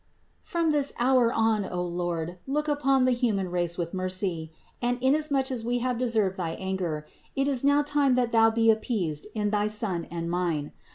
From this hour on, O Lord, look upon the human race with mercy ; and inasmuch as we have deserved thy anger, it is now time that Thou be appeased in thy Son and mine.